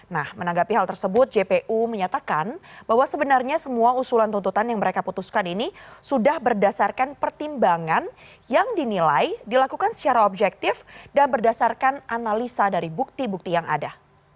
nah menanggapi hal tersebut jpu menyatakan bahwa sebenarnya semua usulan tuntutan yang mereka putuskan ini sudah berdasarkan pertimbangan yang dinilai dilakukan secara objektif dan berdasarkan analisa dari bukti bukti yang ada